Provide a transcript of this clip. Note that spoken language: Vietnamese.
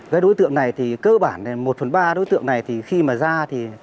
cái đối tượng này thì cơ bản một phần ba đối tượng này thì khi mà ra thì